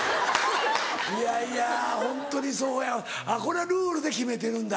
いやいやホントにそうやわこれはルールで決めてるんだ。